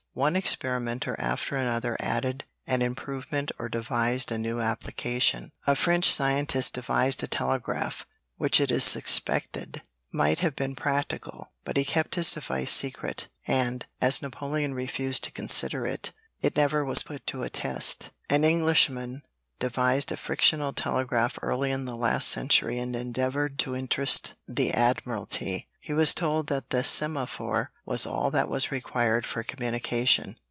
One experimenter after another added an improvement or devised a new application. A French scientist devised a telegraph which it is suspected might have been practical, but he kept his device secret, and, as Napoleon refused to consider it, it never was put to a test. An Englishman devised a frictional telegraph early in the last century and endeavored to interest the Admiralty. He was told that the semaphore was all that was required for communication.